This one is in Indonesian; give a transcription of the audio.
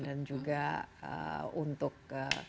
dan juga untuk